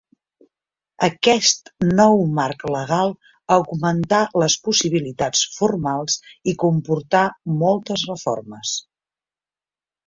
Aquest nou marc legal augmentà les possibilitats formals i comportà moltes reformes.